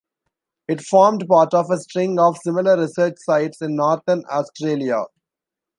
It formed part of a string of similar research sites in northern Australia.